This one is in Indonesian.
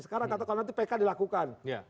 sekarang katakan kalau nanti pk dilakukan